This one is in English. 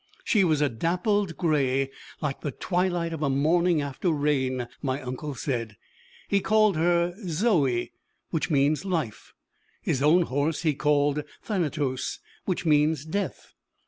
She was a dappled gray like the twilight of a morning after rain, my uncle said. He called her Zoe, which means Life. His own horse he called Thanatos, which means Death.